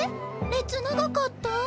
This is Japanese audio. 列長かった？